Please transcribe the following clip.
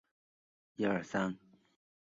收录五首新歌。